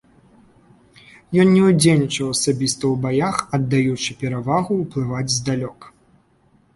Ён не ўдзельнічаў асабіста ў баях, аддаючы перавагу ўплываць здалёк.